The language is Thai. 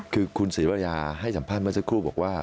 คือคุณศรีวราให้สัมภาษณ์เมื่อสักครู่บอกว่า